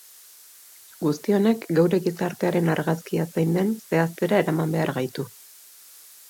Guzti honek geure gizartearen argazkia zein den zehaztera eraman behar gaitu.